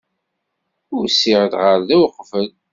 Usiɣ-d ɣer da uqbel.